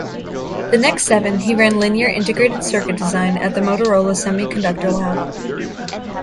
The next seven, he ran linear integrated circuit design at the Motorola Semiconductor Lab.